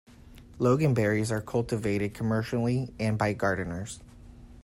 Loganberries are cultivated commercially and by gardeners.